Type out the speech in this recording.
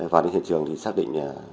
vào đến hiện trường thì xác định